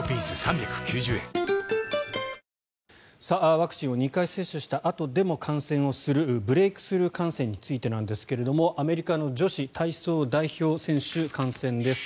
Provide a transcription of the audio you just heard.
ワクチンを２回接種したあとでも感染するブレークスルー感染についてなんですけれどもアメリカの女子体操代表選手感染です。